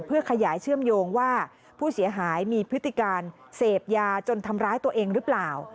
เพื่อขยายเชื่อมโยงว่าผู้เสียหายมีพฤติการเสพยาจนทำร้ายตัวเองหรือเปล่า